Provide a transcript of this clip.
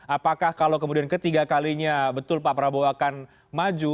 apakah kalau kemudian ketiga kalinya betul pak prabowo akan maju